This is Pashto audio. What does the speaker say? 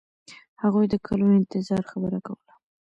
هغوی د کلونو انتظار خبره کوله.